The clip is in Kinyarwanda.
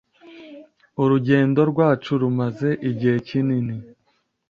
Urugendo rwacu rwamaze igihe kinini.